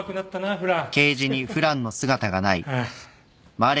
フラン。